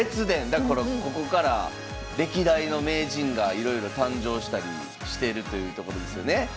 だからここから歴代の名人がいろいろ誕生したりしてるというところですよね。